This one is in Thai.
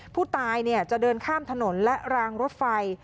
ผู้ตายจะเดินข้ามถนนและรางรถไฟ